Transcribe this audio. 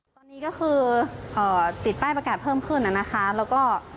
ตอนนี้ก็คือติดป้ายประกาศเพิ่มขึ้นนะคะแล้วก็